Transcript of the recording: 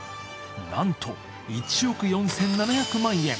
なんと１億４７００万円。